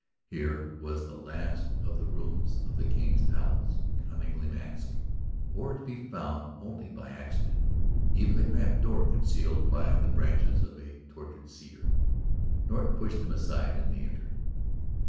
Here was the last of the rooms of the King's Palace, cunningly masked, to be found only by accident, even the cramped door concealed by the branches of a tortured cedar. Norton pushed them aside and they entered.